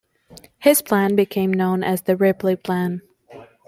His plan became known as the "Ripley Plan".